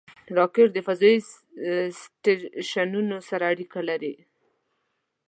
راکټ د فضایي سټیشنونو سره اړیکه لري